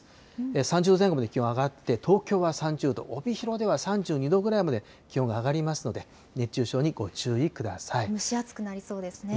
３０度前後まで気温が上がって、東京は３０度、帯広では３２度ぐらいまで気温が上がりますので、蒸し暑くなりそうですね。